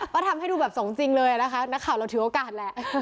ก็ทำให้ดูแบบสมจริงเลยนะคะนักข่าวเราถือโอกาสแหละ